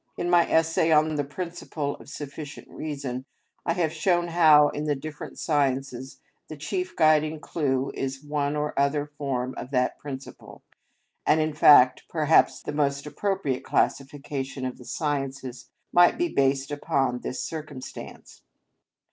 In my essay on the principle of sufficient reason, § 51, I have shown how in the different sciences the chief guiding clue is one or other form of that principle; and, in fact, perhaps the most appropriate classification of the sciences might be based upon this circumstance.